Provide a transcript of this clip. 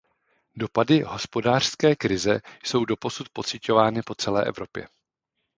Dopady hospodářské krize jsou dosud pociťovány po celé Evropě.